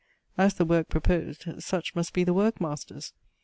As the work proposed, such must be the work masters.